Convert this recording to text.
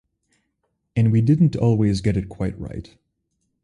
And we didn’t always get it quite right.